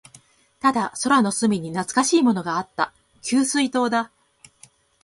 ただ、空の隅に懐かしいものがあった。給水塔だ。